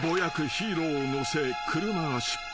ヒーローを乗せ車が出発］